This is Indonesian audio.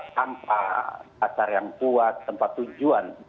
tanpa dasar yang kuat tanpa tujuan